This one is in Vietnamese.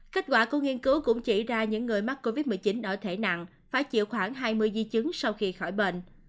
kết quả của nghiên cứu cũng chỉ ra những người mắc covid một mươi chín ở thể nặng phải chịu khoảng hai mươi di chứng sau khi khỏi bệnh